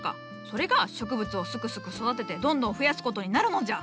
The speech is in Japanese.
それが植物をすくすく育ててどんどん増やすことになるのじゃ！